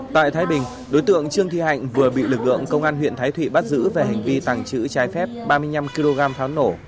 tại thái bình đối tượng trương thị hạnh vừa bị lực lượng công an huyện thái thụy bắt giữ về hành vi tàng trữ trái phép ba mươi năm kg pháo nổ